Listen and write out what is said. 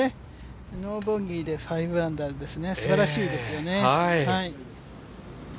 ノーボギーで５アンダー、すばらしいですよね。